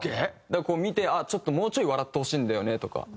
だから見てもうちょい笑ってほしいんだよねとか。